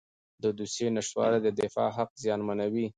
د دوسیې نشتوالی د دفاع حق زیانمنوي.